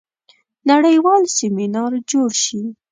نړیوال سیمینار جوړ شي.